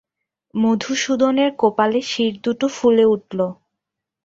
মধুসূদনের কপালের শিরদুটো ফুলে উঠল।